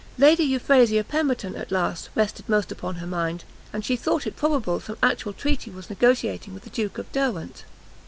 Lady Euphrasia Pemberton, at last, rested most upon her mind, and she thought it probable some actual treaty was negociating with the Duke of Derwent.